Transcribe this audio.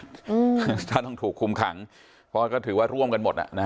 อืมถ้าต้องถูกคุมขังเพราะว่าก็ถือว่าร่วมกันหมดอ่ะนะฮะ